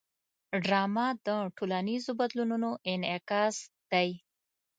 ډرامه د ټولنیزو بدلونونو انعکاس دی